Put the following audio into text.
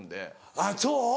あっそう？